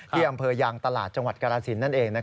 ที่อำเภอยางตลาดจังหวัดกรสินนั่นเอง